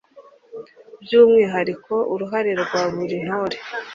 by'umwihariko uruhare rwa buri ntore